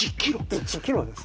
１ｋｍです